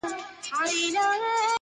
• وجود غواړمه چي زغم د نسو راوړي,